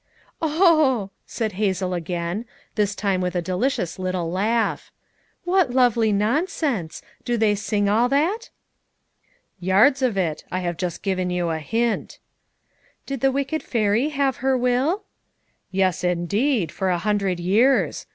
" "Oh!" said Hazel again, this time with a delicious little laugh. '£ What lovely nonsense ! Do they sing all that?" "Yards of it; I have just given you a hint." "Did the wicked fairy have her will?" "Yes, indeed, for a hundred years